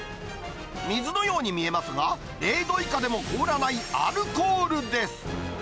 水のように見えますが、０度以下でも凍らないアルコールです。